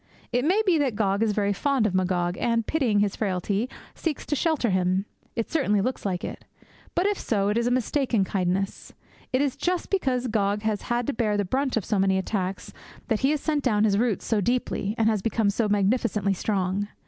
It may be that Gog is very fond of Magog, and, pitying his frailty, seeks to shelter him. It certainly looks like it. But, if so, it is a mistaken kindness. It is just because Gog has had to bear the brunt of so many attacks that he has sent down his roots so deeply and has become so magnificently strong.